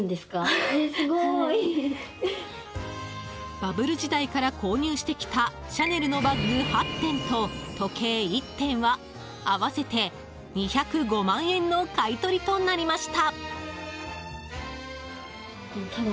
バブル時代から購入してきたシャネルのバッグ８点と時計１点は合わせて２０５万円の買い取りとなりました。